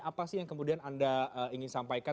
apa sih yang kemudian anda ingin sampaikan